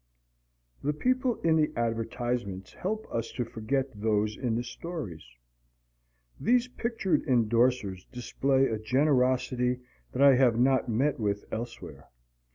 The people in the advertisements help us to forget those in the stories. These pictured endorsers display a generosity that I have not met with elsewhere.